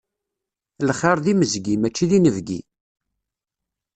Lxiṛ d imezgi, mačči d inebgi.